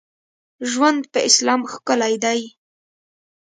ژوند په اسلام ښکلی دی.